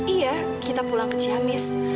iya kita pulang ke ciamis